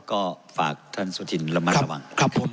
ก็ฝากท่านสุธินระมัดระวัง